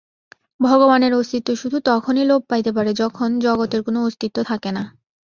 ভগবানের অস্তিত্ব শুধু তখনই লোপ পাইতে পারে, যখন জগতের কোন অস্তিত্ব থাকে না।